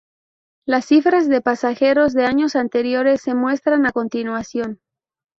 Las cifras de pasajeros de años anteriores se muestran a continuación.